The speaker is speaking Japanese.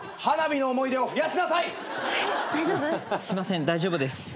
すいません大丈夫です。